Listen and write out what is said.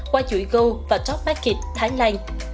qua chuỗi gold và top market thái lan